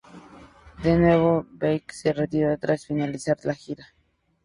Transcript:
De nuevo, Beck se retiró tras finalizar la gira.